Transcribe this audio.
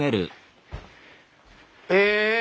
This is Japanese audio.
え！